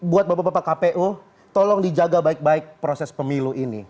buat bapak bapak kpu tolong dijaga baik baik proses pemilu ini